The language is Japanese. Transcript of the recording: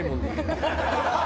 ハハハハ！